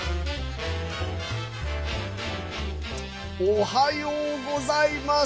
おはようございます。